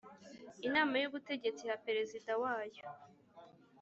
Inama y Ubutegetsi iha Perezida wayo